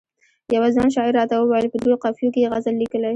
یوه ځوان شاعر راته وویل په دریو قافیو کې یې غزل لیکلی.